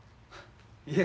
いえ。